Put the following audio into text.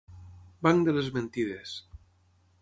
Banc de les mentides.